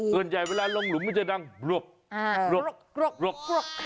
เกินใหญ่เวลาลงหลุมไม่ได้ดังปลวกปลวกปลวกปลวก